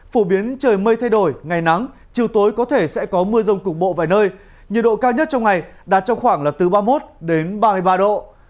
phổ biến trời mây thay đổi ngày nắng chiều tối có thể sẽ có mưa rông cục bộ vài nơi nhiệt độ cao nhất trong ngày đạt trong khoảng là từ ba mươi một đến ba mươi ba độ